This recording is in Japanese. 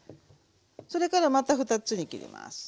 それからまた２つに切ります。